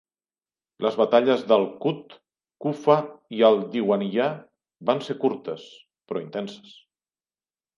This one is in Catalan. Les batalles d'Al Kut, Kufa i Al Diwaniyah van ser curtes, però intenses.